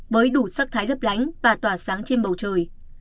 với đủ sắc thái lấp lánh và tỏa sáng trên bầu trời